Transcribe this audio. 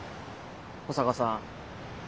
保坂さん。